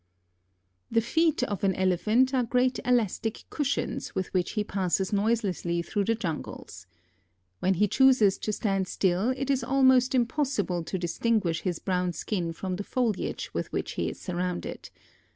The feet of an Elephant are great elastic cushions with which he passes noiselessly through the jungles. When he chooses to stand still it is almost impossible to distinguish his brown skin from the foliage with which he is surrounded.